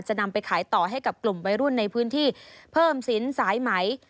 นำไปขายต่อให้กับกลุ่มวัยรุ่นในพื้นที่เพิ่มศิลป์สายไหม